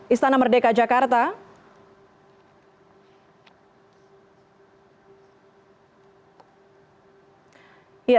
istana merdeka jakarta